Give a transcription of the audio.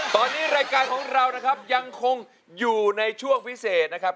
ตอนนี้รายการของเรานะครับยังคงอยู่ในช่วงพิเศษนะครับ